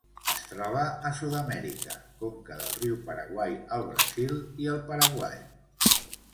Es troba a Sud-amèrica: conca del riu Paraguai al Brasil i el Paraguai.